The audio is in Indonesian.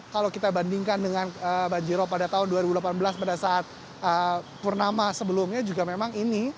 kalau kita bandingkan dengan banjirop pada tahun dua ribu delapan belas pada saat purnama sebelumnya juga memang ini